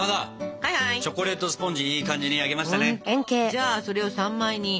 じゃあそれを３枚に。